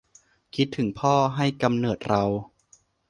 คิดถึงพ่อ ให้กำเนิดเรา